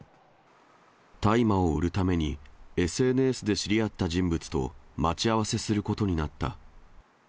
大麻を売るために、ＳＮＳで知り合った人物と待ち合わせすることになった。